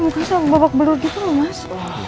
muka sama babak belut gitu loh mas